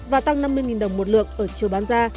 và tăng năm mươi đồng một lượng ở chiều bán ra